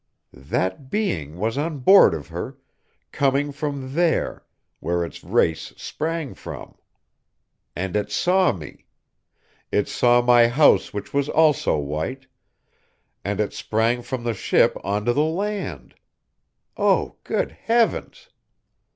That Being was on board of her, coming from there, where its race sprang from. And it saw me! It saw my house which was also white, and it sprang from the ship onto the land. Oh! Good heavens!